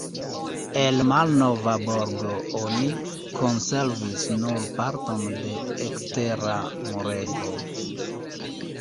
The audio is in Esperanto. El malnova borgo oni konservis nur parton de ekstera murego.